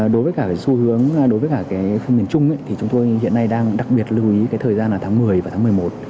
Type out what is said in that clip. đối với cả cái xu hướng đối với cả khu miền trung thì chúng tôi hiện nay đang đặc biệt lưu ý cái thời gian là tháng một mươi và tháng một mươi một